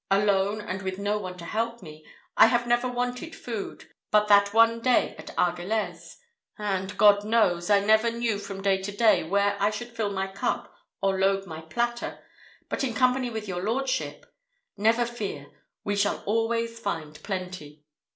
Alone, and with no one to help me, I have never wanted food, but that one day at Argelez; and, God knows, I never knew from day to day where I should fill my cup or load my platter, but in company with your lordship never fear, we shall always find plenty.